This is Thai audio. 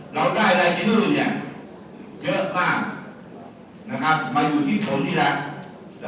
เราได้รายชื่อเนี่ยเยอะมากนะครับมาอยู่ที่ตรงนี้แหละ